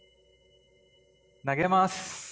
投げます。